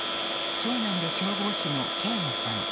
長男で消防士の啓吾さん